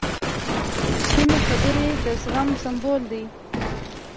کمې خبرې، د زغم سمبول دی.